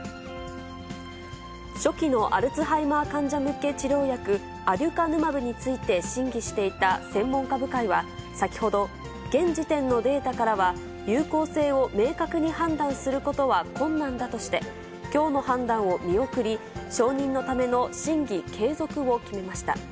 初期のアルツハイマー患者向け治療薬、アデュカヌマブについて審議していた専門家部会は、先ほど、現時点のデータからは、有効性を明確に判断することは困難だとして、きょうの判断を見送り、承認のための審議継続を決めました。